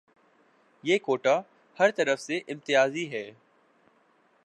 یہ کوٹہ ہرطرح سے امتیازی ہے۔